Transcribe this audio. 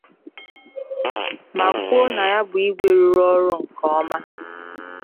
ma kwuo na ya bụ Igwe rụrụ ọrụ nke ọma